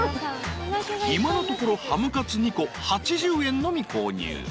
［今のところハムカツ２個８０円のみ購入］